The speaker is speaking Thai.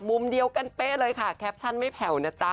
มุมเดียวกันเป๊ะเลยค่ะแคปชั่นไม่แผ่วนะจ๊ะ